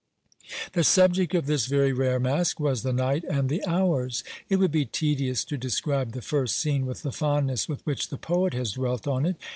The subject of this very rare Masque was "The Night and the Hours." It would be tedious to describe the first scene with the fondness with which the poet has dwelt on it.